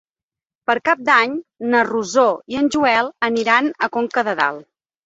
Per Cap d'Any na Rosó i en Joel aniran a Conca de Dalt.